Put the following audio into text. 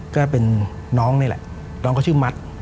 ก็เป็นน้องนี่แหละน้องเขาชื่อมัด